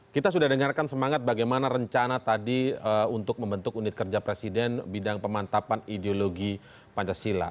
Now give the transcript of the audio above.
kita sudah dengarkan semangat bagaimana rencana tadi untuk membentuk unit kerja presiden bidang pemantapan ideologi pancasila